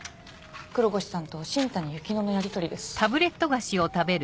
黒越さんと新谷由紀乃のやりとりです。